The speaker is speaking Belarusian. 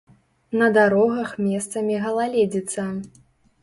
На дарогах месцамі галаледзіца.